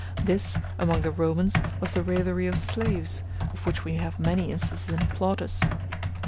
This, among the Romans, was the raillery of slaves, of which we have many instances in Plautus.